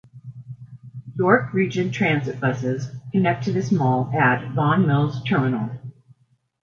York Region Transit buses connect to this mall at Vaughan Mills Terminal.